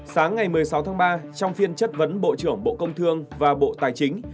sáng ngày một mươi sáu tháng ba trong phiên chất vấn bộ trưởng bộ công thương và bộ tài chính